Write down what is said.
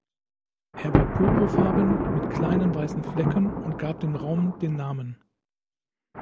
Er war purpurfarben mit kleinen weißen Flecken und gab dem Raum den Namen.